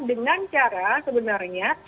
dengan cara sebenarnya